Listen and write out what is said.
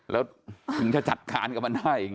แล้วถึงจะจัดการกับมันได้